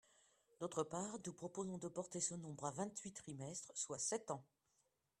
D’autre part, nous proposons de porter ce nombre à vingt-huit trimestres, soit sept ans.